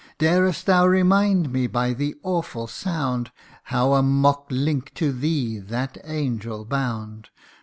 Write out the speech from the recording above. Darest thou remind me by the awful sound, How a mock link to thee that angel bound